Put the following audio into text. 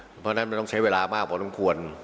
เพราะฉะนั้นมันต้องใช้เวลามากพอสมควร